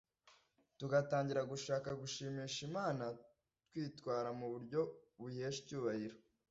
tugatangira gushaka gushimisha Imana twitwara mu buryo buyihesha icyubahiro.